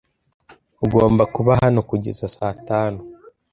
Ugomba kuba hano kugeza saa tanu.